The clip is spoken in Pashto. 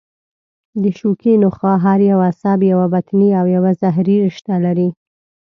د شوکي نخاع هر یو عصب یوه بطني او یوه ظهري رشته لري.